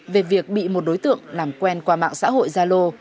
về việc bị một đối tượng làm quen qua mạng xã hội gia lô